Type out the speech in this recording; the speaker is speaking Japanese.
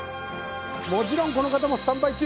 もちろんこの方もスタンバイ中